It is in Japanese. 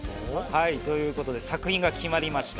はいということで作品が決まりました。